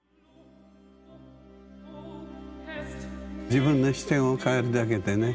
自分の視点を変えるだけでね